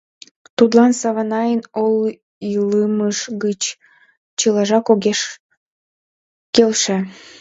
Тудлан Саванайын ойлымыж гыч чылажак огеш келше.